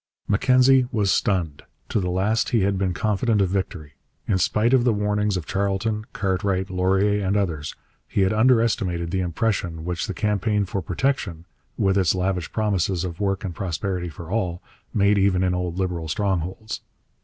Mackenzie was stunned. To the last he had been confident of victory. In spite of the warnings of Charlton, Cartwright, Laurier, and others, he had underestimated the impression which the campaign for protection, with its lavish promises of work and prosperity for all, made even in old Liberal strongholds.